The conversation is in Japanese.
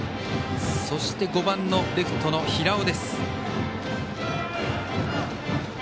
そして５番レフトの平尾。